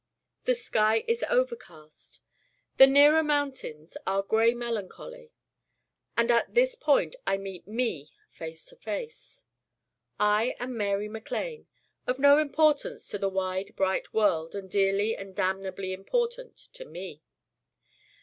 The sky is overcast. The nearer mountains are gray melancholy. And at this point I meet Me face to face. I am Mary MacLane: of no importance to the wide bright world and dearly and damnably important to Me.